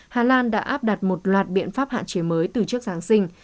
hà lan đã áp đặt một loạt biện pháp hạn chế mới từ trước giáng sinh